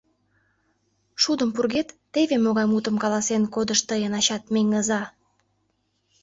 Шудым пургед! — теве могай мутым каласен кодыш тыйын ачат, Меҥыза.